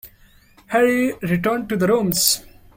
Harry returned to the rooms.